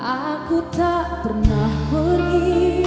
aku tak pernah pergi